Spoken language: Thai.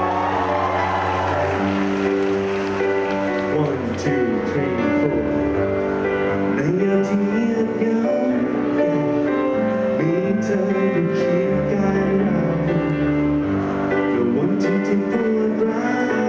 ในอาทิตย์เหงามีเธอเป็นคิดกายเรา